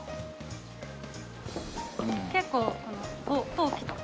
結構陶器とか。